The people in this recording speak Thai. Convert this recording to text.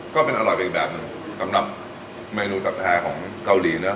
ก็เป็นอร่อยไปอีกแบบหนึ่งสำหรับเมนูจัดแท้ของเกาหลีเนอ